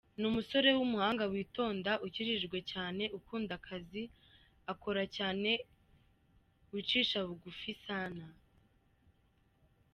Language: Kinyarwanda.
Ni umusore w'umuhanga witonda ukijijwe cyaneee ukunda akazi akora cyane wicisha bugufi sana.